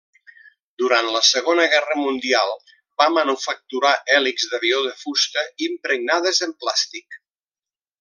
Durant la Segona Guerra Mundial va manufacturar hèlixs d'avió de fusta impregnades en plàstic.